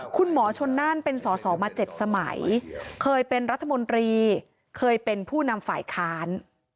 คุณหมอชนนั่นเป็นสอสอมา๗สมัยเคยเป็นรัฐมนตรีเคยเป็นผู้นำฝ่ายค้าน